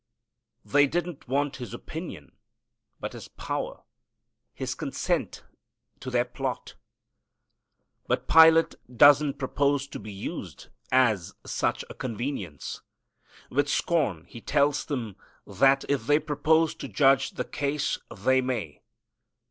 They didn't want his opinion, but his power, his consent to their plot. But Pilate doesn't propose to be used as such a convenience. With scorn he tells them that if they propose to judge the case they may.